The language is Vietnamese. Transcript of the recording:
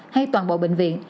hay toàn bộ bệnh viện